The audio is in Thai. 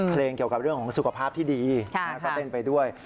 เพลงเกี่ยวกับเรื่องของสุขภาพที่ดีก็เต้นไปด้วย